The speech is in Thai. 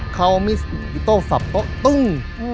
เขามิตโตศัพท์โต๊ะตุ้ง